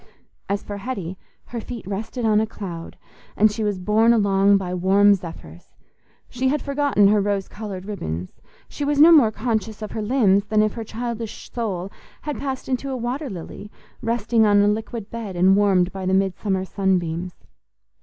As for Hetty, her feet rested on a cloud, and she was borne along by warm zephyrs; she had forgotten her rose coloured ribbons; she was no more conscious of her limbs than if her childish soul had passed into a water lily, resting on a liquid bed and warmed by the midsummer sun beams.